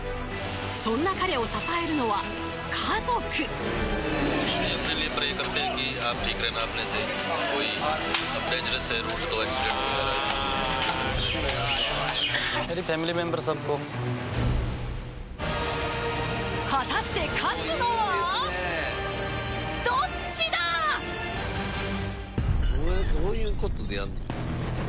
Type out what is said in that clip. そんな彼を支えるのは家族果たしてどういうことでやんの？